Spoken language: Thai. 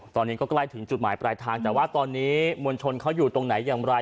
ตอนนี้ก็ใกล้ถึงจุดหมายปลายทางแต่ว่าตอนนี้มวลชนเขาอยู่ตรงไหนอย่างไร